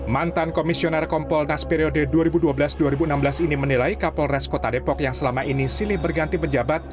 mantan komisioner kompolnas periode dua ribu dua belas dua ribu enam belas ini menilai kapolres kota depok yang selama ini silih berganti pejabat